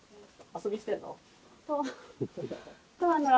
遊び来てんの？